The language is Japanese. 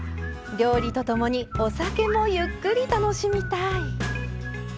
料理とともにお酒もゆっくり楽しみたい。